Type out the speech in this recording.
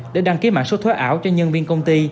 để đăng ký mạng số thuế ảo cho nhân viên công ty